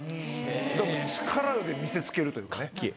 もう力で見せつけるというかね。